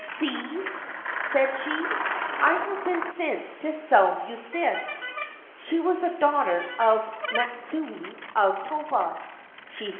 8 See,' said she, ' I have been sent to sell you this !' She was the daughter of Matsui of Toba, she said.